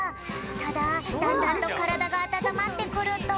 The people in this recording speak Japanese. ただだんだんとからだがあたたまってくると。